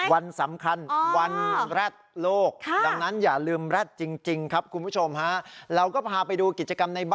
วันนี้๒๒กันยาใช่ไหม